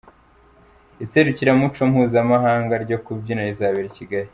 Iserukiramuco mpuzamahanga ryo kubyina rizabera Kigali